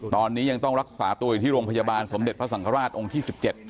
ตอนนี้ยังต้องรักษาตัวอยู่ที่โรงพยาบาลสมเด็จพระสังฆราชองค์ที่๑๗